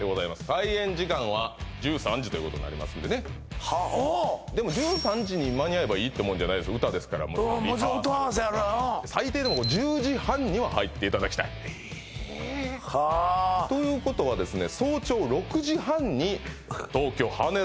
開演時間は１３時ということになりますんでねでも１３時に間に合えばいいってもんじゃないです歌ですからもちろんリハーサルとかもちろん音合わせあるから最低でもこれ１０時半には入っていただきたいえはあということはですね